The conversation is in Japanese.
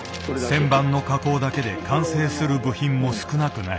旋盤の加工だけで完成する部品も少なくない。